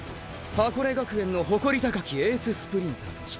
箱根学園の誇り高きエーススプリンターとして！！